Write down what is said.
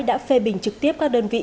đã phê bình trực tiếp các đơn vị